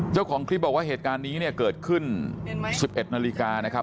เจ้าของคลิปบอกว่าเหตุการณ์นี้เนี่ยเกิดขึ้น๑๑นาฬิกานะครับ